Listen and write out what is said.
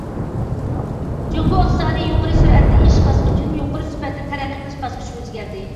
جۇڭگو ئىقتىسادى يۇقىرى سۈرئەتتە ئېشىش باسقۇچىدىن يۇقىرى سۈپەتتە تەرەققىي قىلىش باسقۇچىغا ئۆزگەردى.